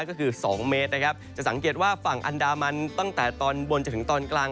ก็คือ๒เมตรนะครับจะสังเกตว่าฝั่งอันดามันตั้งแต่ตอนบนจนถึงตอนกลาง